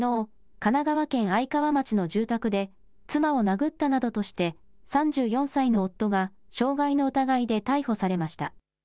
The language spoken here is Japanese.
神奈川県愛川町の住宅で妻を殴ったなどとして３４歳の夫が傷害の疑いで逮捕されました。